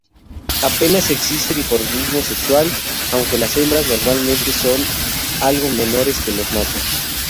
Apenas existe dimorfismo sexual, aunque las hembras normalmente son algo menores que los machos.